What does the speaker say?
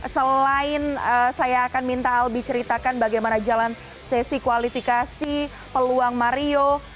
selain saya akan minta albi ceritakan bagaimana jalan sesi kualifikasi peluang mario